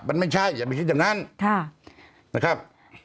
มันไม่ใช่อย่าไปคิดอย่างนั้นนะครับ